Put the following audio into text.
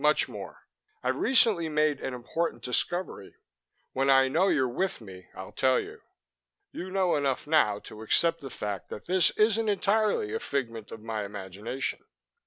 Much more. I've recently made an important discovery. When I know you're with me, I'll tell you. You know enough now to accept the fact that this isn't entirely a figment of my imagination."